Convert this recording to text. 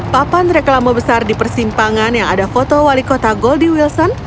papan reklama besar di persimpangan yang ada foto wali kota goldi wilson